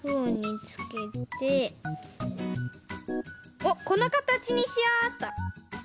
おっこのかたちにしようっと。